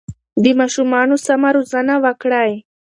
د ماشومانو سمه روزنه وکړئ.